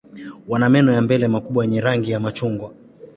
Wana meno ya mbele makubwa yenye rangi ya machungwa.